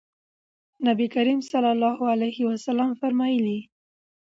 نبي کريم صلی الله عليه وسلم فرمايلي: